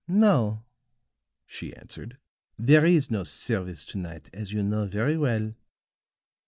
"No," she answered, "there is no service to night, as you know very well.